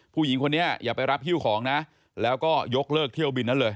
ผู้หญิงคนนี้อย่าไปรับฮิ้วของนะแล้วก็ยกเลิกเที่ยวบินนั้นเลย